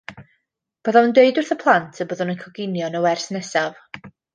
Byddaf yn dweud wrth y plant y byddwn yn coginio yn y wers nesaf